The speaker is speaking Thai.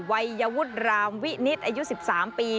วัยวุฒิรามวินิตอายุ๑๓ปี